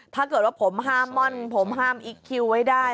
ถ้าเกิดว่าผมห้ามม่อนผมห้ามอิ๊กคิวไว้ได้